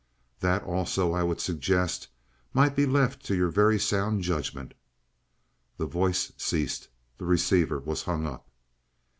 "That, also, I would suggest, might be left to your very sound judgment." The voice ceased. The receiver was hung up.